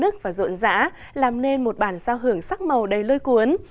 những âm thanh náo nức và rộn rã làm nên một bản sao hưởng sắc màu đầy lơi cuốn